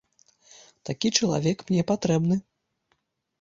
Такі чалавек мне патрэбны.